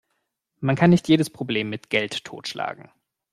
Man kann nicht jedes Problem mit Geld totschlagen.